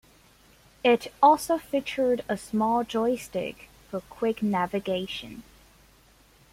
It also featured a small joystick for quick navigation.